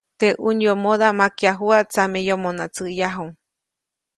Teʼ ʼunyomodaʼm makyajuʼa, tsameyomona tsäʼyaju.